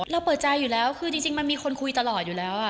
เปิดใจอยู่แล้วคือจริงมันมีคนคุยตลอดอยู่แล้ว